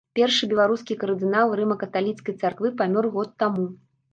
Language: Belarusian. Першы беларускі кардынал рыма-каталіцкай царквы памёр год таму.